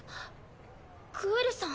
グエルさん？